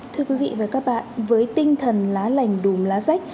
thưa quý vị và các bạn với tinh thần lá lành đùm lá rách